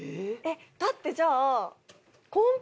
だってじゃあ。